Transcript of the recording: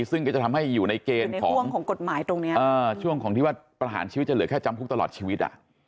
ซึ่งก็จะทำให้อยู่ในเกณฑ์ของช่วงของกฎหมายตรงนี้ช่วงของที่ว่าประหารชีวิตจะเหลือแค่จำคุกตลอดชีวิต